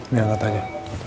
nih angkat aja